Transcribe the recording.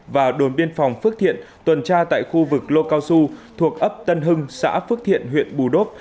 và đồn biên phòng phước thiện tuần tra tại khu vực lô cao su thuộc ấp tân hưng xã phước thiện huyện bù đốp